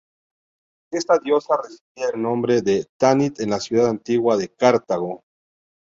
Esta diosa recibía el nombre de Tanit en la ciudad antigua de Cartago.